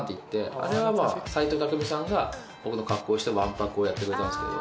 あれは斎藤工さんが僕の格好してあの格好をやってくれたんですけど。